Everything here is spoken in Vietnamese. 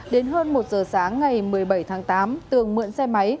đến hơn một giờ sáng ngày một mươi bảy tháng tám tường mượn xe máy